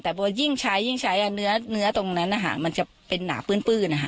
แต่พอยิ่งใช้ยิ่งใช้เนื้อตรงนั้นนะคะมันจะเป็นหนาปื้นนะคะ